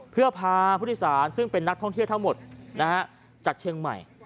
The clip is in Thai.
เพื่อพาผู้โดยสารซึ่งเป็นนักท่องเที่ยวทั้งหมดจากเชียงใหม่